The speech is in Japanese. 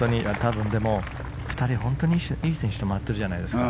２人、本当にいい選手と回ってるじゃないですか。